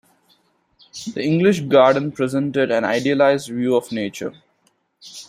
The English garden presented an idealized view of nature.